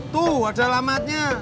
tuh ada alamatnya